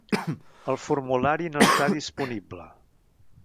El formulari no està disponible.